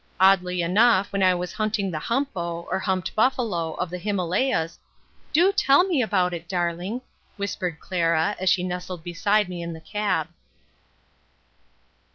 Oddly enough when I was hunting the humpo, or humped buffalo, of the Himalayas " "Do tell me about it, darling," whispered Clara, as she nestled beside me in the cab.